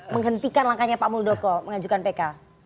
menghentikan langkahnya pak muldoko mengajukan pk